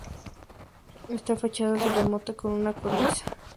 Esta fachada se remata con una cornisa.